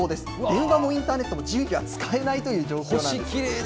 電話もインターネットも自由には使えないという状況なんです。